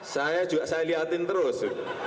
saya juga saya lihatin terus